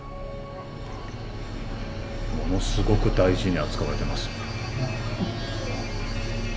ものすごく大事に扱われてます。